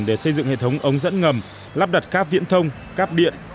để xây dựng hệ thống ống dẫn ngầm lắp đặt các viễn thông cáp điện